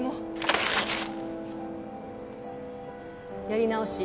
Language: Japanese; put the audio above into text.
やり直し。